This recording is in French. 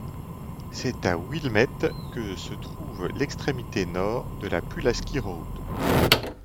C'est à Wilmette que se trouve l'extrémité nord de la Pulaski Road.